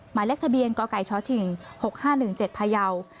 หมายแรกทะเบียนกชถิ่ง๖๕๑๗พยาว